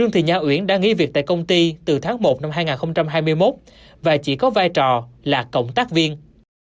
kis việt tại công ty từ tháng một năm hai nghìn hai mươi một và chỉ có vai trò là cộng tác viên